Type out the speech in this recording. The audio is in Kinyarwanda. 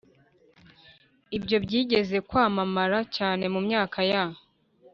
ibyo • byigeze kwamamara cyane mu myaka ya